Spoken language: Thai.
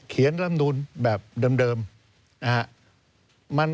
เขียนลำนูนแบบเดิม